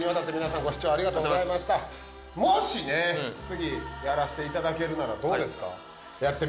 次やらしていただけるならどうですか？